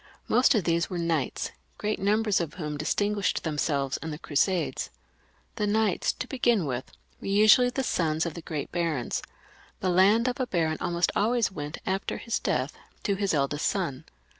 Most of these were knights, great numbers of whom distinguished themselves in the Crusades. The knights, to begin with, were usually the sons of the great barons. The land of a baron almost always went at his death to his eldest son.